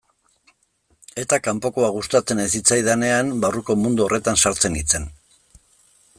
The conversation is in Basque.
Eta kanpokoa gustatzen ez zitzaidanean, barruko mundu horretan sartzen nintzen.